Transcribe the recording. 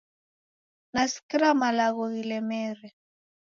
Nasikira malagho ghilemere